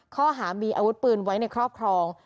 ข้อหามีอาวุธปืนไว้ในครอบครอง